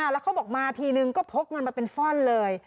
แล้วเขาบอกมาทีนึงก็พกเงินมาเป็นฟ่อนเลย